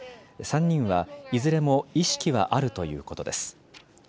３人はいずれも意識はあるということです。